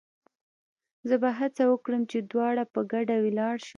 زه به هڅه وکړم چې دواړه په ګډه ولاړ شو.